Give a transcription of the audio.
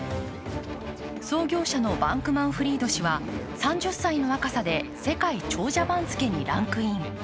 創業者のバンクマンフリード氏は３０歳の若さで世界長者番付にランクイン。